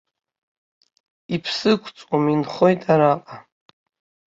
Иԥсы ықәҵуам, инхоит араҟа.